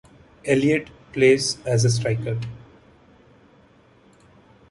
Elliott plays as a striker.